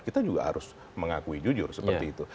kita juga harus mengakui jujur seperti itu